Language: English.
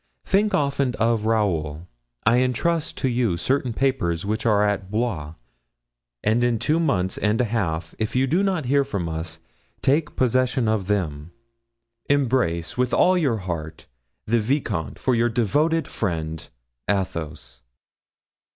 Think often of Raoul. I intrust to you certain papers which are at Blois; and in two months and a half, if you do not hear of us, take possession of them. "Embrace, with all your heart, the vicomte, for your devoted, friend, "ATHOS."